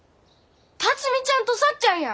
辰美ちゃんとさっちゃんや。